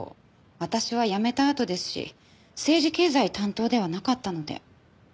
私は辞めたあとですし政治経済担当ではなかったので。